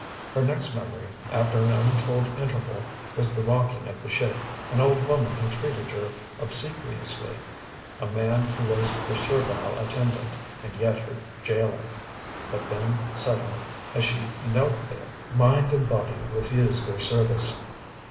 Her next memory, after an untold interval, was the rocking of the ship, an old woman who treated her obsequiously, a man who was her servile attendant and yet her jailer but then, suddenly, as she knelt there, mind and body refused their service.